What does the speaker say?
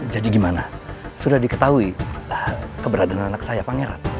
jadi gimana sudah diketahui keberadaan anak saya pangeran